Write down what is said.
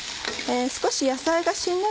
少し野菜が。